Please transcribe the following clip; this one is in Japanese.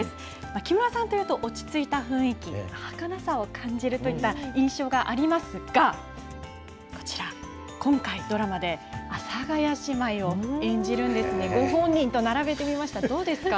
木村さんというと、落ち着いた雰囲気で、はかなさを感じるといった印象がありますが、こちら、今回ドラマで阿佐ヶ谷姉妹を演じるんですけど、ご本人と並べてみました、どうですか。